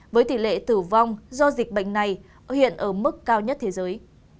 với tỷ lệ tử vong do dịch bệnh này hiện ở mức cao nhất thế giới